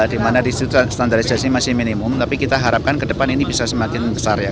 dimana di situ standarisasi masih minimum tapi kita harapkan kedepan ini bisa semakin besar ya